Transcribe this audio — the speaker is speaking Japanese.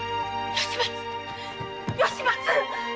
吉松‼